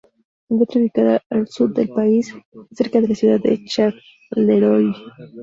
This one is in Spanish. Se encuentra ubicada al sud del país, cerca de la ciudad de Charleroi.